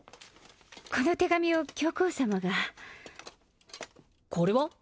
この手紙を教皇様がこれは？